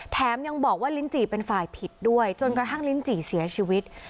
แถมยังบอกว่าลิ้นจี่เป็นฝ่ายผิดด้วยจนกระทั่งลิ้นจี่เสียชีวิต